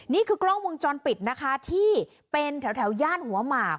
นี่คือกล้องวงจรปิดนะคะที่เป็นแถวย่านหัวหมาก